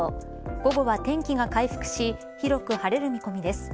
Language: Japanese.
午後は天気が回復し広く晴れる見込みです。